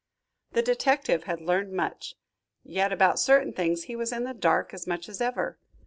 The detective had learned much, yet about certain things he was in the dark as much as ever.